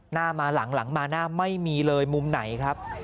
หน้ามาหลังหลังมาหน้าไม่มีเลยมุมไหนครับ